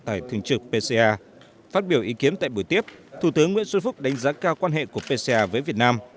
tải thường trực pca phát biểu ý kiến tại buổi tiếp thủ tướng nguyễn xuân phúc đánh giá cao quan hệ của pca với việt nam